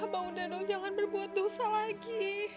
abah undang undang jangan berbuat dosa lagi